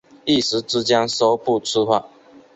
一时之间说不出话